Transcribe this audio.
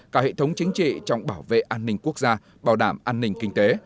cả hệ thống chính trị trong bảo vệ an ninh quốc gia bảo đảm an ninh kinh tế